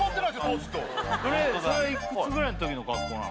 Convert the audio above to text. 当時とそれそれはいくつぐらいの時の格好なの？